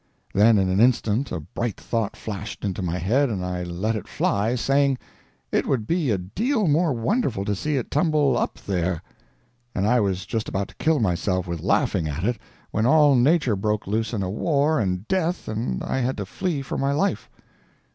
Then in an instant a bright thought flashed into my head, and I let it fly, saying, "It would be a deal more wonderful to see it tumble_ up_ there!" and I was just about to kill myself with laughing at it when all nature broke loose in war and death and I had to flee for my life.